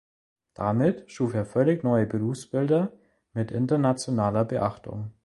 Damit schuf er völlig neue Berufsbilder mit internationaler Beachtung.